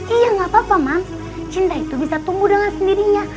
iya nggak apa apa man cinta itu bisa tumbuh dengan sendirinya